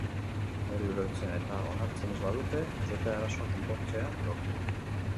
Hori ulertzen eta onartzen ez badute, ez dute arazoa konpontzea lortuko.